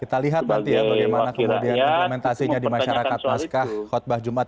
kita lihat nanti ya bagaimana kemudian implementasinya di masyarakat paskah khutbah jumat